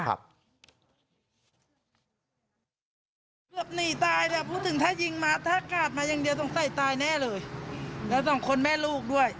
นักปืนชูเราก็วิ่งไปอยู่ตรงนี้เลย